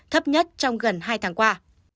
thấp nhất trong gần hai tháng qua